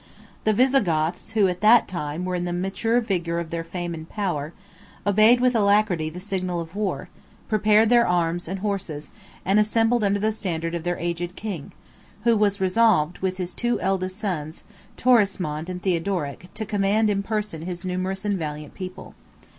37 The Visigoths, who, at that time, were in the mature vigor of their fame and power, obeyed with alacrity the signal of war; prepared their arms and horses, and assembled under the standard of their aged king, who was resolved, with his two eldest sons, Torismond and Theodoric, to command in person his numerous and valiant people.